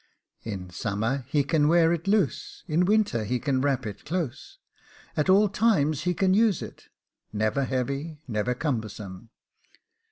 In summer he can wear it loose; in winter he can wrap it close; at all times he can use it; never heavy, never cumbersome.